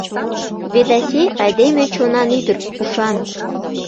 Ведаси — айдеме чонан ӱдыр, ушан.